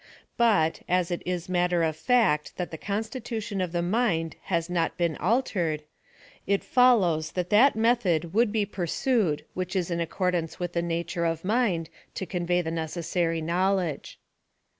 But, as it is matter of fact that the constitution of the mind has not been altered, it follows that that method would be pursued which is in accordance with the nature of mind, to convey the necessary knowledge.